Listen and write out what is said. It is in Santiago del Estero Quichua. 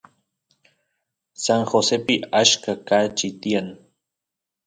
San Josepi achka kachi tiyan